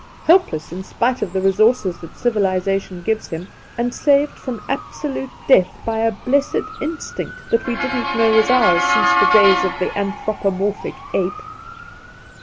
Helpless in spite of the resources that civilization gives him, and saved from absolute death by a blessed instinct that we didn't know was ours since the days of the anthropomorphic ape